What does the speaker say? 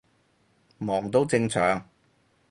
忙都正常